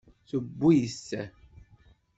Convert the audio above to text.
Tewwi-t.